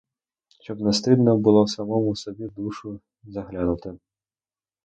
Щоб не стидно було самому собі в душу заглянути.